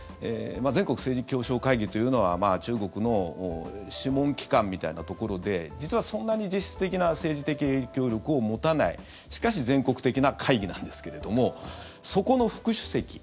全国政治協商会議というのは中国の諮問機関みたいなところで実はそんなに実質的な政治的影響力を持たないしかし全国的な会議なんですけどそこの副主席。